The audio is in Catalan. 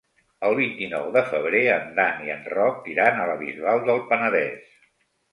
El vint-i-nou de febrer en Dan i en Roc iran a la Bisbal del Penedès.